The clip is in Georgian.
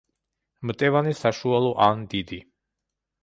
მტევანი საშუალო ან დიდი.